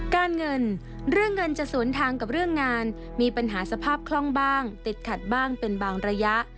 การเงินเรื่องเงินจะสวนทางกับเรื่องงานมีปัญหาสภาพคล่องบ้างติดขัดบ้างเป็นบางระยะ